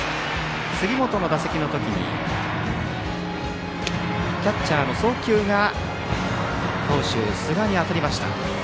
杉本の打席の時にキャッチャーの送球が投手、寿賀に当たりました。